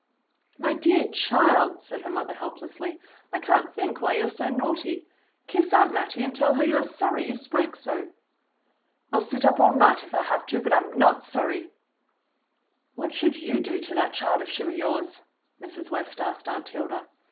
"My dear child," said her mother helplessly. "I can't think why you are so naughty. Kiss Aunt Mattie and tell her you are sorry you spoke so." "I'll sit up all night if I have to, but I'm not sorry." , "What should you do to that child if she were yours.f^" Mrs. West asked Aunt Hilda.